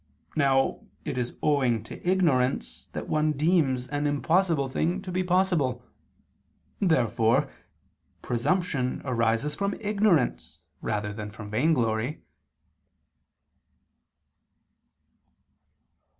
Now it is owing to ignorance that one deems an impossible thing to be possible. Therefore presumption arises from ignorance rather than from vainglory.